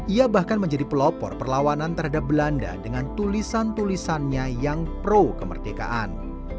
ia bahkan menjadi pelopor perlawanan terhadap belanda dengan tulisan tulisannya yang pro kemerdekaan